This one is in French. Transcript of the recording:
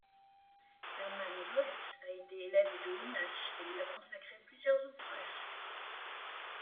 Hermann Goltz a été élève de Onash et lui a consacré plusieurs ouvrages.